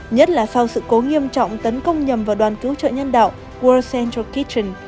nhất là sau sự cố nghiêm trọng tấn công nhầm vào đoàn cứu trợ nhân đạo world central kitchen